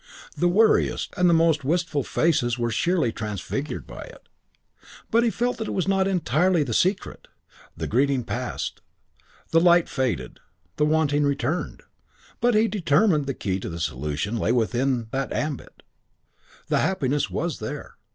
The weariest and the most wistful faces were sheerly transfigured by it. But he felt it was not entirely the secret. The greeting passed; the light faded; the wanting returned. But he determined the key to the solution lay within that ambit. The happiness was there.